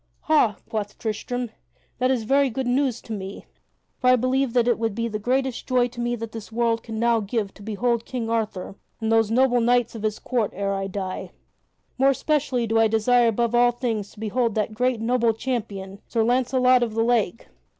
"Ha," quoth Tristram, "that is very good news to me, for I believe that it would be the greatest joy to me that the world can now give to behold King Arthur and those noble knights of his court ere I die. More especially do I desire above all things to behold that great, noble champion, Sir Launcelot of the Lake.